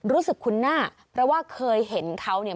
คุ้นหน้าเพราะว่าเคยเห็นเขาเนี่ย